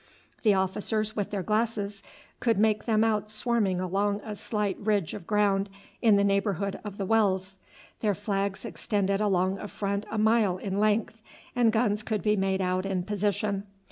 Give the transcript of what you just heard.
The officers with their glasses could make them out swarming along a slight ridge of ground in the neighbourhood of the wells; their flags extended along a front a mile in length, and guns could be made out in position.